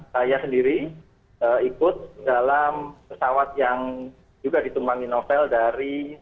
saya sendiri ikut dalam pesawat yang juga ditumpangi novel dari